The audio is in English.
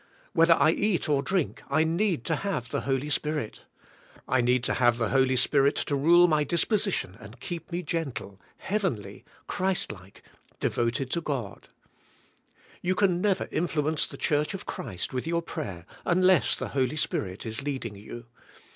Whether I eat or drink I need to haye the Holy Spirit. I need to haye the Holy Spirit to rule my disposition and keep me gen tle, heayenly, Christ like, deyotedto God. You can neyer influence the church of Christ with your prayer unless the Holy Spirit is leading you.